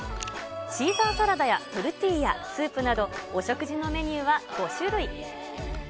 シーザーサラダやトルティーヤ、スープなど、お食事のメニューは５種類。